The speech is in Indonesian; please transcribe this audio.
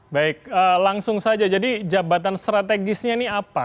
baik langsung saja jadi jabatan strategisnya ini apa